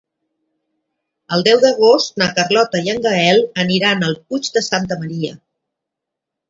El deu d'agost na Carlota i en Gaël aniran al Puig de Santa Maria.